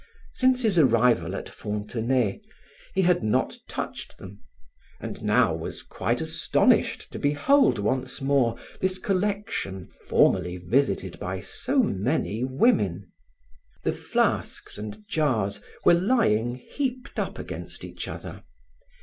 Since his arrival at Fontenay he had not touched them; and now was quite astonished to behold once more this collection formerly visited by so many women. The flasks and jars were lying heaped up against each other.